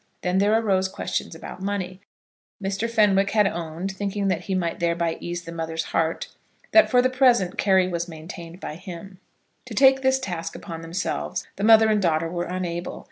Then there arose questions about money. Mr. Fenwick had owned, thinking that he might thereby ease the mother's heart, that for the present Carry was maintained by him. To take this task upon themselves the mother and daughter were unable.